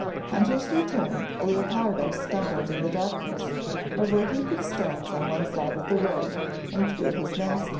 On his return Leopardo stumbled in the darkness over a heap of stones on one side of the road, and threw his master.